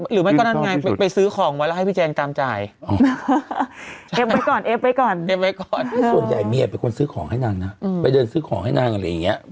หรือไม่ก็นั่นไงไปซื้อของมาแล้วให้พี่แจ๊มตามจ่าย